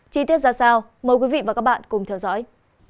chi tiết ra sao mời quý vị và các bạn cùng theo dõi